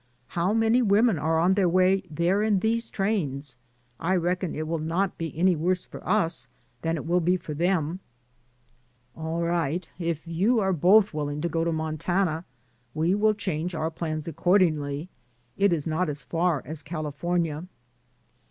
How many women are on their way there in these trains? I reckon it will not be any worse for us than it will be for them." "All right, if you are both willing to go to Montana, we will change our plans accor dingly. It is not as far as California."